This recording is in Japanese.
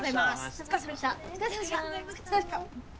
お疲れさまでした。